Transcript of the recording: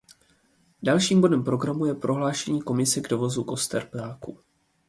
Dalším bodem programu je prohlášení Komise k dovozu koster ptáků.